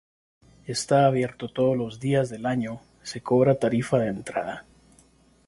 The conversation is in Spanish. Está abierto todos los días del año, se cobra tarifa de entrada.